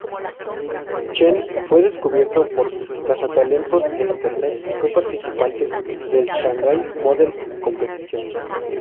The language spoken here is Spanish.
Chen fue descubierto por cazatalentos en Internet y fue participante del Shanghai Model Competition.